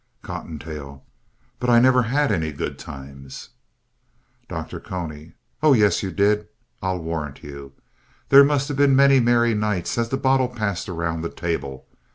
COTTONTAIL But I never had any good times. DR. CONY Oh, yes, you did, I'll warrant you. There must have been many merry nights as the bottle passed around the table.